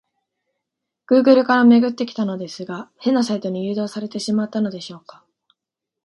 グーグルから辿ってきたのですが、変なサイトに誘導されてしまったのでしょうか？